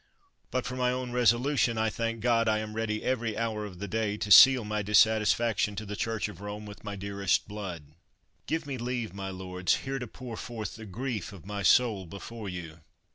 But for my own resolution I thank God I am ready every hour of the day to seal my dissatisfaction to the Church of Rome with my dearest blood. Give me leave, my lords, here to pour forth the grief of my soul before you.